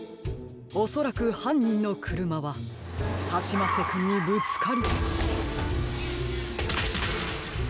おそらくはんにんのくるまはカシマッセくんにぶつかり。